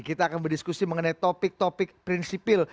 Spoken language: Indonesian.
kita akan berdiskusi mengenai topik topik prinsipil